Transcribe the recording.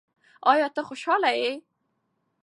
ایا ته خوشاله یې؟